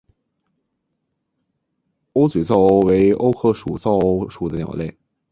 鸥嘴噪鸥为鸥科噪鸥属的鸟类。